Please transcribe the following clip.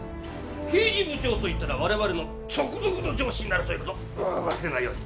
刑事部長といったら我々の直属の上司になるという事忘れないように。